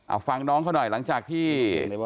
เอาฟังน้องเขาหน่อยหลังจากที่